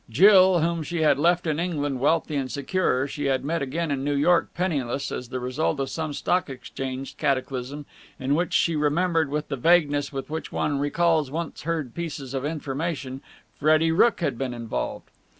Jill, whom she had left in England wealthy and secure, she had met again in New York penniless as the result of some Stock Exchange cataclysm in which, she remembered with the vagueness with which one recalls once heard pieces of information, Freddie Rooke had been involved.